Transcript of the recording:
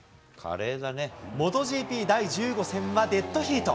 モトＧＰ第１５戦は、デッドヒート。